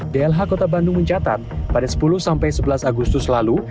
dlh kota bandung mencatat pada sepuluh sampai sebelas agustus lalu